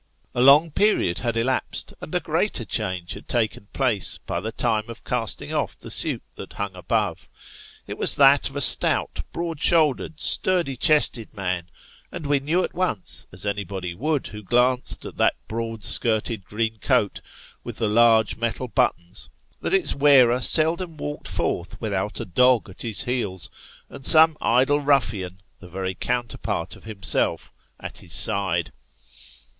A long period had elapsed, and a greater change had taken place, by the time of casting off the suit that hung above. It was that of a stout, broad shouldered, sturdy chested man ; and we knew at once, as anybody would, who glanced at that broad skirted green coat, with the largo metal buttons, that its wearer seldom walked forth without a dog at his heels, and some idle ruffian, the very counterpart of himself, at his side.